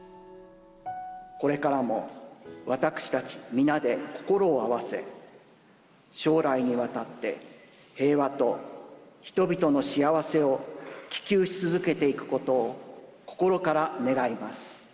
これからも私たち皆で心を合わせ、将来にわたって平和と人々の幸せを希求し続けていくことを心から願います。